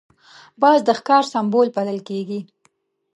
باز د ښکار سمبول بلل کېږي